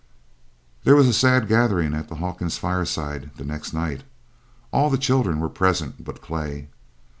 There was a sad gathering at the Hawkins fireside the next night. All the children were present but Clay.